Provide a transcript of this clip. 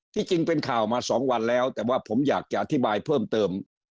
จริงเป็นข่าวมา๒วันแล้วแต่ว่าผมอยากจะอธิบายเพิ่มเติม